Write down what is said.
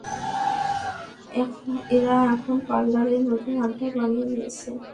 এরা এখন পার্লাররেই নতুন আড্ডা বানিয়ে নিয়েছে।